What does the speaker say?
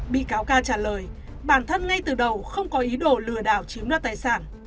bị cáo ca trả lời bản thân ngay từ đầu không có ý đồ lừa đảo chiếm đoạt tài sản